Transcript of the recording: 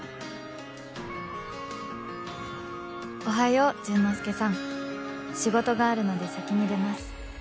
「おはよう潤之介さん」「仕事があるので先に出ます」